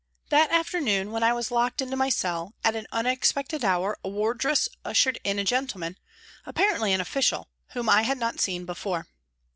That afternoon, when I was locked into my cell, at an unexpected hour a wardress ushered in a gentle man, apparently an official, whom I had not seen before.